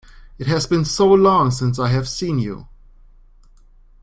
It has been so long since I have seen you!